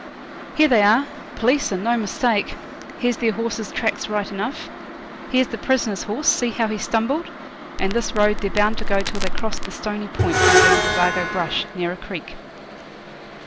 'Here they are p'leece, and no mistake. Here's their horses' tracks right enough. Here's the prisoner's horse, see how he stumbled? and this road they're bound to go till they cross the Stony point, and get into Bargo Brush, near a creek.'